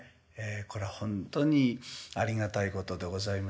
これは本当にありがたいことでございまして。